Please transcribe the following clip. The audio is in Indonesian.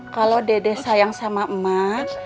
kalau dede sayang sama emak